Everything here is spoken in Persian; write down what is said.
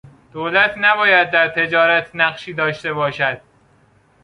دولت نباید در تجارت نقشی داشته باشد.